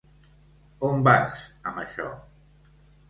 On vas, amb això?